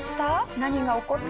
何が起こったのか。